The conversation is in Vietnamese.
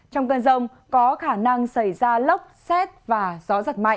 trong cơn rông có khả năng xảy ra lốc xét và gió